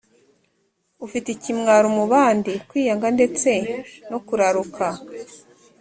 ufite ikimwaro mu bandi kwiyanga ndetse no kuraruka